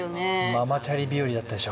ママチャリ日よりだったでしょ。